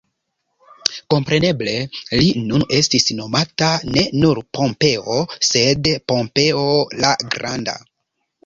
Kompreneble, li nun estis nomata ne nur Pompeo, sed Pompeo la Granda.